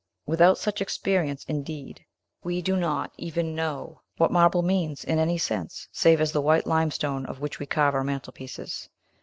Without such experience, indeed, we do not even know what marble means, in any sense, save as the white limestone of which we carve our mantelpieces.